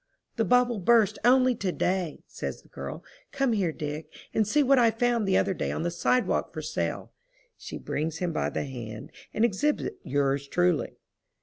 "The bubble burst only to day," says the girl. "Come here, Dick, and see what I found the other day on the sidewalk for sale." She brings him by the hand and exhibits yours truly.